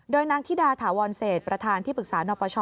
โดยนางธิดาถาวรเศษประธานที่ปรึกษานปช